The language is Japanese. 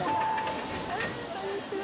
こんにちは。